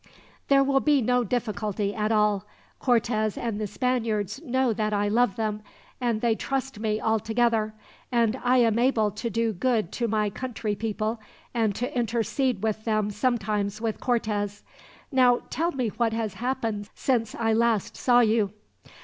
"There will be no difficulty at all. Cortez and the Spaniards know that I love them, and they trust me altogether, and I am able to do good to my country people, and to intercede with them sometimes with Cortez. Now tell me what has happened since I last saw you."